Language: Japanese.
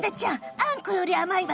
あんこより甘いわ！